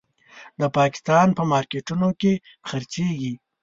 د پاکستان په مارکېټونو کې خرڅېږي.